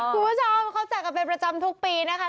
คุณผู้ชมเขาจัดกันเป็นประจำทุกปีนะคะ